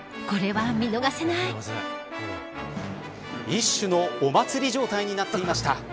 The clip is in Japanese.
一種のお祭り状態になっていました。